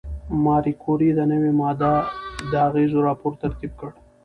ماري کوري د نوې ماده د اغېزو راپور ترتیب کړ.